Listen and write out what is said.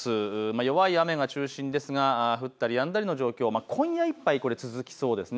弱い雨が中心ですが、降ったりやんだりの状況、今夜いっぱいこれは続きそうです。